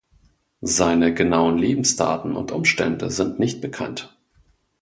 Seine genauen Lebensdaten und -umstände sind nicht bekannt.